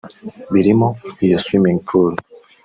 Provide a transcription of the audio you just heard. birimo iyo swimming pool